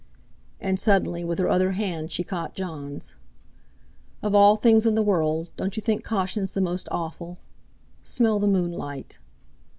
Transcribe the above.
And, suddenly, with her other hand she caught Jon's. "Of all things in the world, don't you think caution's the most awful? Smell the moonlight!"